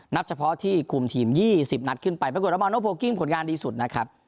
นับเฉพาะที่คุมทีมยี่สิบนัดขึ้นไปปรากฏว่าผลงานดีสุดนะครับ